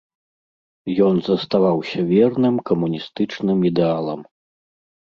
Ён заставаўся верным камуністычным ідэалам.